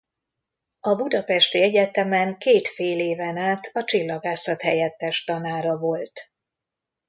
A bp.-i egyetemen két féléven át a csillagászat helyettes tanára volt.